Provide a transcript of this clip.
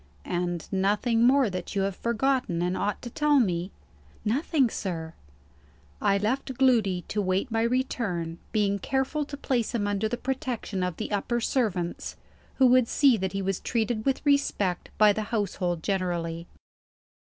"And nothing more that you have forgotten, and ought to tell me?" "Nothing, sir." I left Gloody to wait my return; being careful to place him under the protection of the upper servants who would see that he was treated with respect by the household generally.